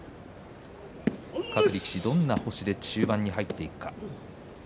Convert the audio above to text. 各力士どんな星で中盤に入っていくか。